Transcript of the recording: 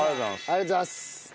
ありがとうございます。